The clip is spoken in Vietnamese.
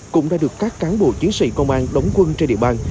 cũng đã được các cán bộ chiến sĩ công an đóng quân trên địa bàn